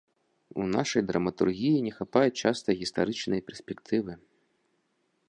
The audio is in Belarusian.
У нашай драматургіі не хапае часта гістарычнае перспектывы.